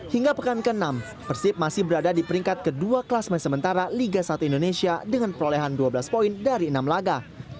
hingga pekan ke enam persib masih berada di peringkat kedua kelas main sementara liga satu indonesia dengan perolehan dua belas poin dari enam laga